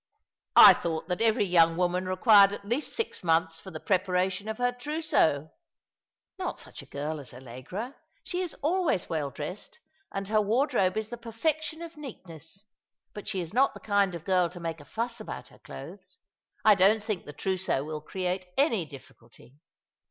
" I thought that every young woman required at least six months for the preparation of her trousseau ?" "Not such a girl as AUegra. She is always well dressed, and her wardrobe is the perfection of neatness — but she is not the kind of girl to make a fuss about her clothes. I don't think the trousseau will create any difficulty."